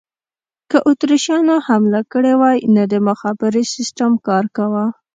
که اتریشیانو حمله کړې وای، نه د مخابرې سیسټم کار کاوه.